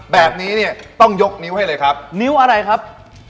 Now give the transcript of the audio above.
แบบนี้เนี่ยต้องยกนิ้วให้เลยครับนิ้วอะไรครับ